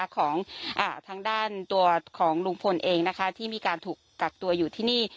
ของทางด้านตัวของลุงพลเองนะคะที่มีการถูกกักตัวอยู่ที่นี่